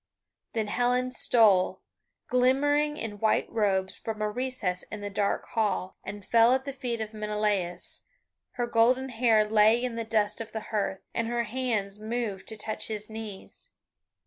Then Helen stole, glimmering in white robes, from a recess in the dark hall, and fell at the feet of Menelaus; her golden hair lay in the dust of the hearth, and her hands moved to touch his knees.